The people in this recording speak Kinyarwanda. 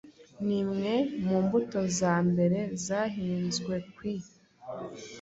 Nimwe mu mbuto za mbere zahinzwekwii